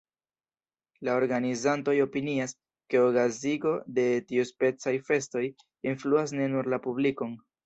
La organizantoj opinias, ke okazigo de tiuspecaj festoj influas ne nur la publikon.